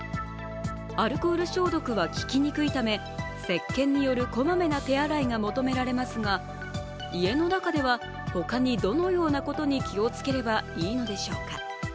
アルコール消毒は効きにくいためせっけんによるこまめな手洗いが求められますが家の中ではほかにどのようなことに気をつければいいのでしょうか。